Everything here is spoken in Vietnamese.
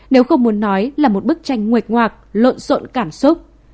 nếu không muốn nói là một bức tranh nguệt ngoạc lộn xộn cảm xúc